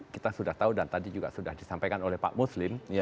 kita sudah tahu dan tadi juga sudah disampaikan oleh pak muslim